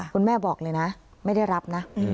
คุณแม่บอกเลยนะไม่ได้รับนะ